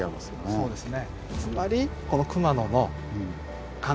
そうですね。